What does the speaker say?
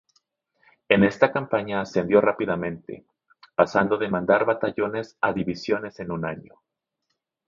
En esta campaña ascendió rápidamente, pasando de mandar batallones a divisiones en un año.